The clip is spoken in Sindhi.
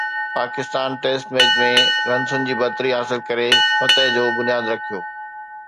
پاڪستان ٽيسٽ ميچ ۾ رنسن جي برتري حاصل ڪري فتح جو بنياد رکيو